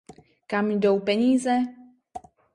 Kam jdou peníze?